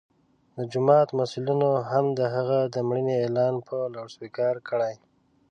د جومات مسؤلینو هم د هغه د مړینې اعلان په لوډسپیکر کړی.